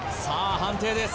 判定です